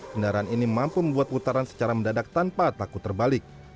kendaraan ini mampu membuat putaran secara mendadak tanpa takut terbalik